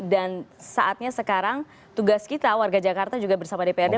dan saatnya sekarang tugas kita warga jakarta juga bersama dprd